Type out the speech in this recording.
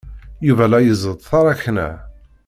Yuba la iẓeṭṭ taṛakna.